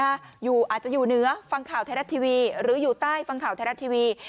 อาจจะอยู่เหนือฟังข่าวไทยรัฐทีวีหรืออยู่ใต้ฟังข่าวไทยรัฐทีวี